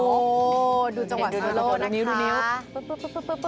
โอ้ดูจังหวะดูโล่ดูนิ้วดูนิ้ว